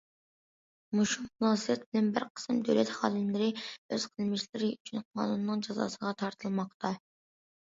مۇشۇ مۇناسىۋەت بىلەن بىر قىسىم دۆلەت خادىملىرى ئۆز قىلمىشلىرى ئۈچۈن قانۇننىڭ جازاسىغا تارتىلماقتا.